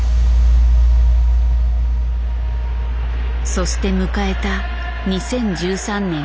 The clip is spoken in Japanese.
そして迎えた２０１３年９月。